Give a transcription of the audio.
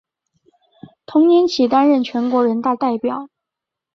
同年起担任全国人大代表。